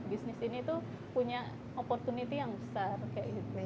bisnis ini itu punya opportunity yang besar